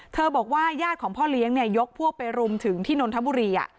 บอกว่าญาติของพ่อเลี้ยงยกพวกไปรุมถึงที่นนทบุรี